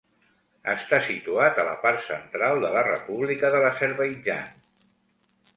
Està situat a la part central de la República de l'Azerbaidjan.